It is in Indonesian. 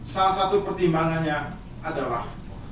salah satu pertimbangannya adalah